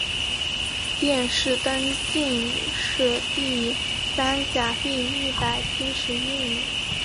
殿试登进士第三甲第一百七十一名。